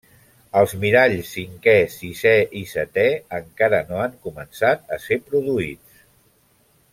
Els miralls cinquè, sisè i setè encara no han començat a ser produïts.